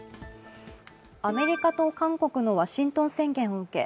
アメリカと韓国のワシントン宣言を受け